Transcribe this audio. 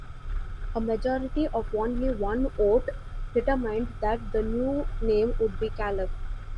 A majority of only one vote determined that the new name would be "Kalev".